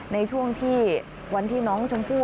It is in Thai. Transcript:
ในช่วงที่วันที่น้องชมพู่